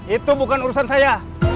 itu bukan urusan saya